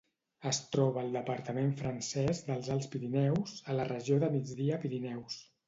Es troba al departament francès dels Alts Pirineus, a la regió de Migdia-Pirineus.